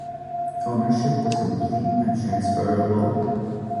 Ownership was complete and transferable.